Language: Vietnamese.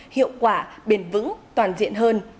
hiệu quả bền vững toàn diện hơn